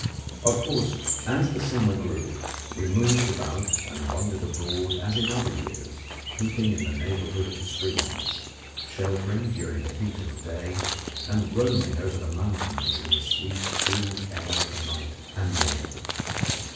Of course, as the summer grew, we moved about and wandered abroad as in other years, keeping in the neighbourhood of the streams, sheltering during the heat of the day, and roaming over the mountains in the sweet cool air of the night and morning.